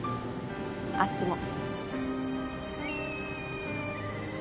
あっちも。